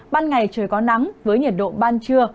ban ngày trời có nắng với nhiệt độ ban trưa